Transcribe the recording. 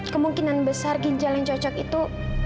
kemungkinan besar ginjal yang cocok itu